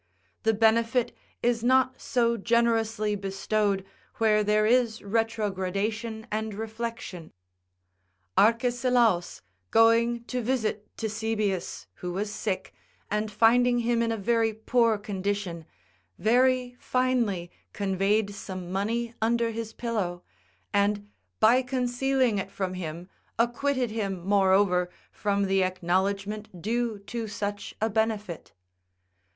The benefit is not so generously bestowed, where there is retrogradation and reflection. Arcesilaus, going to visit Ctesibius, who was sick, and finding him in a very poor condition, very finely conveyed some money under his pillow, and, by concealing it from him, acquitted him, moreover, from the acknowledgment due to such a benefit.